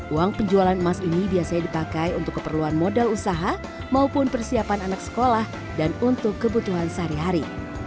uang penjualan emas ini biasanya dipakai untuk keperluan modal usaha maupun persiapan anak sekolah dan untuk kebutuhan sehari hari